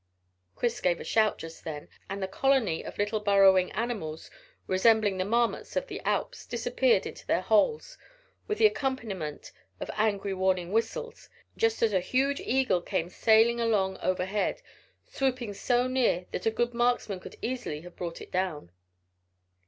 Chris gave a shout just then, and the colony of little burrowing animals resembling the marmots of the Alps disappeared into their holes with an accompaniment of angry warning whistles, just as a huge eagle came sailing along overhead, swooping so near that a good marksman could easily have brought it down.